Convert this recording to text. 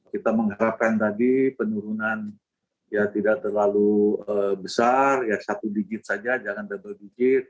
kita mengharapkan tadi penurunan ya tidak terlalu besar ya satu digit saja jangan double digit